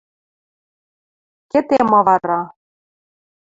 – Кеде ма вара?